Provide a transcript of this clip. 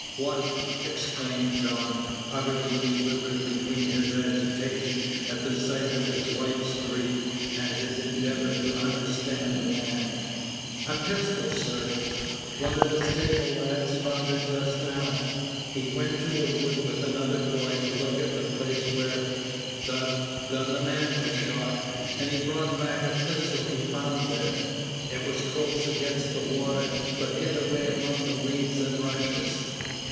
What," exclaimed John, utterly bewildered between his agitation at the sight of his wife's grief and his endeavor to understand the man. "A pistol, sir. One of the stable lads found it just now. He went to the wood with another boy to look at the place where the the man was shot, and he's brought back a pistol he found there. It was close against the water, but hid away among the weeds and rushes.